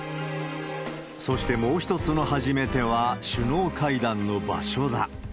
そしてもう一つの初めては、首脳会談の場所だ。